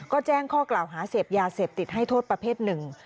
ก็แจ้งข้อกล่าวหาเสพยาเสพติดให้โทษประเภทหนึ่ง